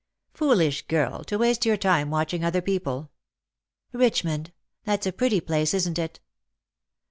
" Foolish girl, to waste your time watching other people." " Richmond ! that's a pretty place, isn't it